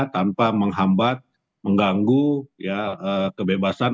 tanpa menghambat mengganggu kebebasan